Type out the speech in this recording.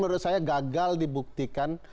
menurut saya gagal dibuktikan